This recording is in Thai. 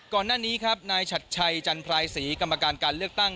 ก่อนหน้านี้ครับนายชัดชัยจันทรายศรีกรรมการการเลือกตั้ง